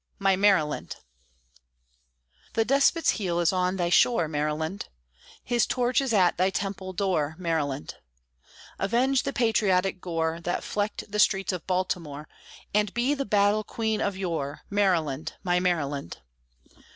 MY MARYLAND The despot's heel is on thy shore, Maryland! His torch is at thy temple door, Maryland! Avenge the patriotic gore That flecked the streets of Baltimore, And be the battle queen of yore, Maryland, my Maryland!